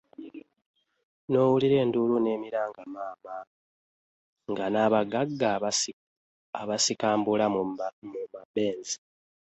N’owulira enduulu n’emiranga maama, Nga n’abagagga abasikambula mu mabenzi.